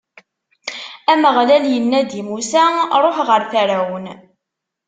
Ameɣlal inna-d i Musa: Ṛuḥ ɣer Ferɛun.